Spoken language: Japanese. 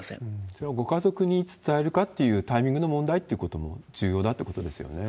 それはご家族に伝えるかというタイミングの問題ってことも重要だってことですよね。